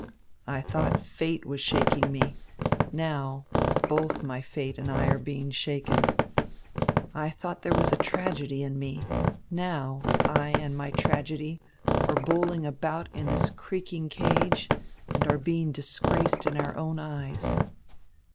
I thought fate was shaking me. Now, both my fate and I are being shaken. I thought there was tragedy in me. Now, I and my tragedy are bowling about in this creaking cage, and are being disgraced in our own eyes.